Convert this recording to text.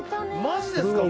「マジですか？